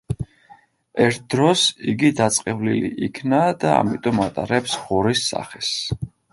ერთ დროს იგი დაწყევლილი იქნა და ამიტომ ატარებს ღორის სახეს.